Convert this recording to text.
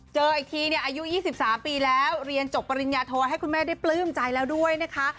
เจออีกทีเนี่ยอายุ๒๓ปีแล้วเรียนจบปริญญาโทให้คุณแม่ได้ปลื้มใจแล้วด้วยนะคะ